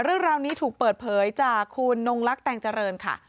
เรื่องราวนี้ถูกเปิดเผยจากคุณนงลักษ์เจริญค่ะ